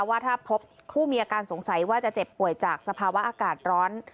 ว่าถ้าพบผู้มีอาการสงสัยว่าจะเจ็บป่วยจากสภาวะอากาศร้อน